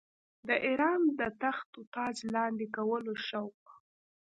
د اېران د تخت و تاج لاندي کولو شوق.